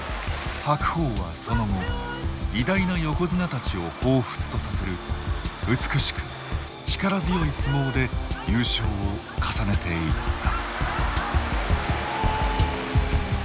白鵬はその後偉大な横綱たちを彷彿とさせる美しく力強い相撲で優勝を重ねていった。